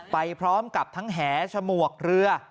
ไปพร้อมกับทั้งแหฉฉมวกเรือ